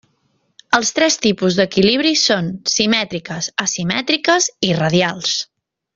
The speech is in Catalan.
Els tres tipus d'equilibri són simètriques, asimètriques i radials.